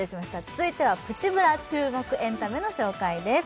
続いては「プチブラ」注目エンタメの紹介です